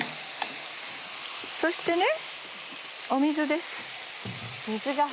そして水です。